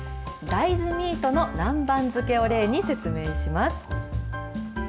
大豆ミートの南蛮漬けを例に説明します。